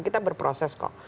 kita berproses kok